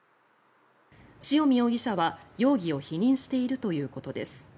塩見容疑者は、容疑を否認しているということです。